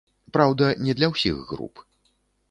Праўда, не для ўсіх груп.